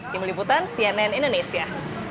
tim liputan cnn indonesia